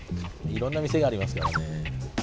いろんな店がありますからね。